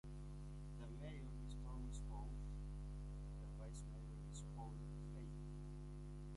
The Mayor is Tom Schoaf, the Vice Mayor is Paul Faith.